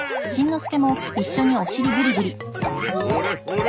ほれほれほれ！